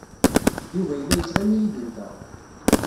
Yuba yella yettɣimi yid-nteɣ.